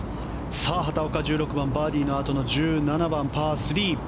さあ畑岡、１６番バーディーのあとの１７番パー３。